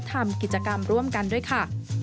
ทำกิจกรรมร่วมกันด้วยค่ะ